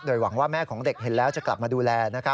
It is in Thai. หวังว่าแม่ของเด็กเห็นแล้วจะกลับมาดูแล